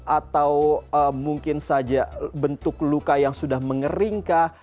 atau mungkin saja bentuk luka yang sudah mengering kah